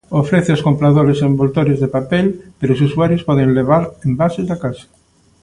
Ofrece aos compradores envoltorios de papel, pero os usuarios poden levar envases da casa.